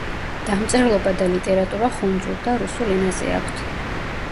დამწერლობა და ლიტერატურა ხუნძურ და რუსულ ენაზე აქვთ.